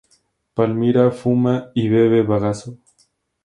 Palmira fuma y bebe bagazo.